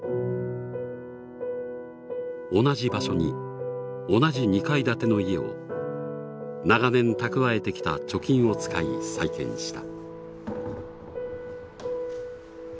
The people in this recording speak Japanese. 同じ場所に同じ２階建ての家を長年蓄えてきた貯金を使い再建した。